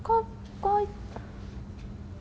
อืม